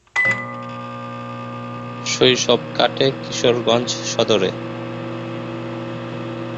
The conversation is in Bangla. শৈশব কাটে কিশোরগঞ্জ সদরে।